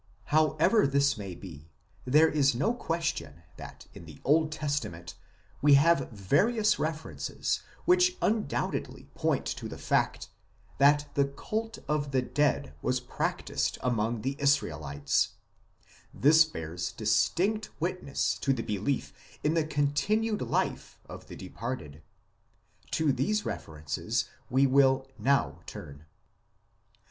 However this may be, there is no question that in the Old Testament we have various references which un doubtedly point to the fact that the Cult of the Dead was practised among the Israelites ; this bears distinct witness to the belief in the continued life of the departed. To these references we will now turn.